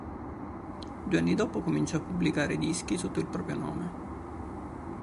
Due anni dopo cominciò a pubblicare dischi sotto il proprio nome.